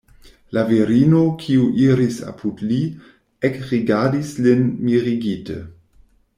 La virino, kiu iris apud li, ekrigardis lin mirigite.